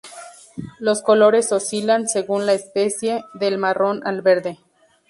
Los colores oscilan, según la especie, del marrón al verde.